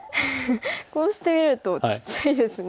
こうしてみるとちっちゃいですね白。